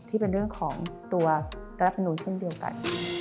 ที่เป็นเรื่องของตัวรัฐมนุนเช่นเดียวกัน